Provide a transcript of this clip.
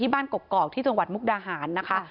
บ้านกกอกที่จังหวัดมุกดาหารนะคะ